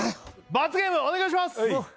罰ゲームお願いします！